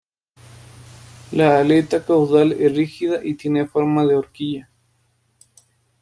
La aleta caudal es rígida y tiene forma de horquilla.